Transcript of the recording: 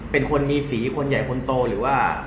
เป็นคนมีสีคนใหญ่คนโตหรือว่า